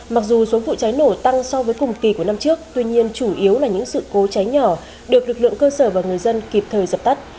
mặc dù số vụ cháy nổ tăng so với cùng kỳ của năm trước tuy nhiên chủ yếu là những sự cố cháy nhỏ được lực lượng cơ sở và người dân kịp thời dập tắt